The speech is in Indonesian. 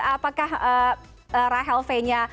apakah rahel v